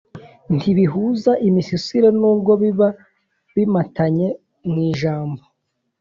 ntibihuza imisusire n’ubwo biba bimatanye mu ijambo